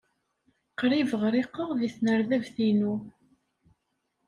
Qrib ɣriqeɣ deg tnerdabt-inu.